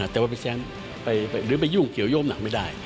แต่ว่าไปแชมป์หรือไปยุ่งเกี่ยวโย่งหนักไม่ได้